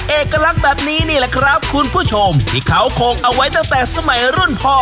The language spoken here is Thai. เอกลักษณ์แบบนี้นี่แหละครับคุณผู้ชมที่เขาคงเอาไว้ตั้งแต่สมัยรุ่นพ่อ